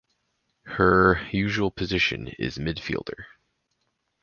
Her usual position is midfielder.